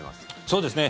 そうですね。